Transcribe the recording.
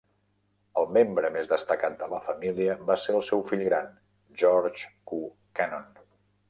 El membre més destacat de la família va ser el seu fill gran, George Q. Cannon.